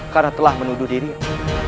karena telah menuduh dirimu